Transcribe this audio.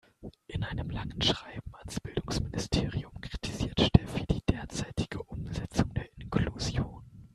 In einem langen Schreiben ans Bildungsministerium kritisiert Steffi die derzeitige Umsetzung der Inklusion.